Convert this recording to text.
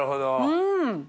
うん！